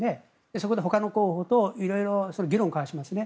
そこでほかの候補と色々、議論を交わしますね。